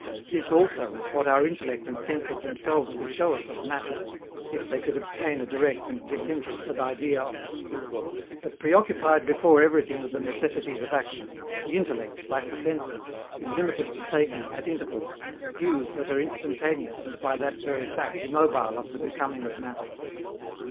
This, also, is what our intellect and senses themselves would show us of matter, if they could obtain a direct and disinterested idea of it. But, preoccupied before everything with the necessities of action, the intellect, like the senses, is limited to taking, at intervals, views that are instantaneous and by that very fact immobile of the becoming of matter.